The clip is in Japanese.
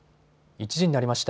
１時になりました。